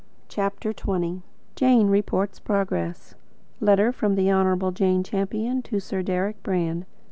CHAPTER XX JANE REPORTS PROGRESS Letter from the Honourable Jane Champion to Sir Deryck Brand.